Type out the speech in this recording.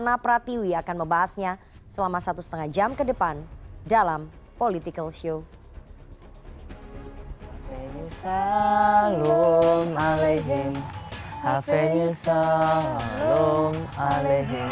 natiwi akan membahasnya selama satu setengah jam ke depan dalam political show